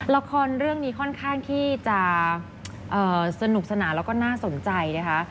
ละครเรื่องนี้ค่อนข้างที่จะสนุกสนานแล้วก็น่าสนใจนะคะ